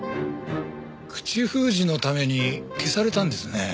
口封じのために消されたんですね。